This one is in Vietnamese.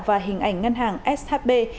và hình ảnh ngân hàng shb